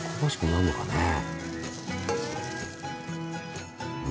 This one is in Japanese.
なんのかねえ。